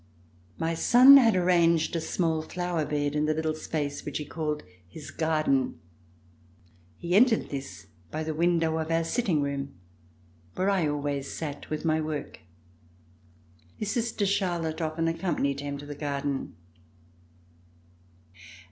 My son had arranged a small flower bed in the little space which he called his garden. He entered this by the window of our sitting room where I al ways sat with my work. His sister, Charlotte, often accompanied him to the garden.